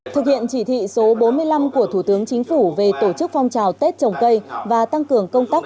thực hiện chỉ thị số bốn mươi năm của thủ tướng chính phủ về tổ chức phong trào tết trồng cây và tăng cường công tác